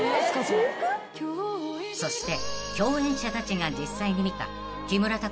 ［そして］